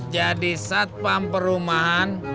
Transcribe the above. jadi satpam perumahan